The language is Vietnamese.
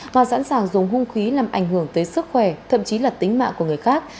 mà sẵn sàng dùng hung khí làm ảnh hưởng tới sức khỏe thậm chí là tính mạng của người khác